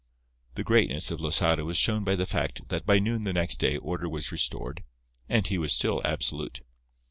The greatness of Losada was shown by the fact that by noon the next day order was restored, and he was still absolute.